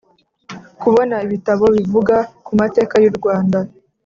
kubona ibitabo bivuga ku mateka y’u rwanda